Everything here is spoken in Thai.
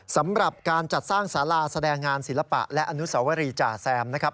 สำหรับการจัดสร้างสาราแสดงงานศิลปะและอนุสวรีจ่าแซมนะครับ